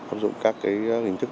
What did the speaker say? áp dụng các hình thức